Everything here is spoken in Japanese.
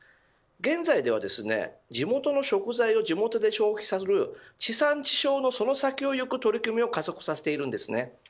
現在では、地元の食材を地元で消費させる地産地消のその先をゆく取り含みを加速させています。